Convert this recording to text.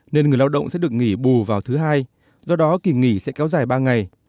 nên người lao động sẽ được nghỉ bù vào thứ hai do đó kỳ nghỉ sẽ kéo dài ba ngày